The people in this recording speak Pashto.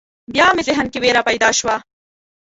بیا مې ذهن کې وېره پیدا شوه.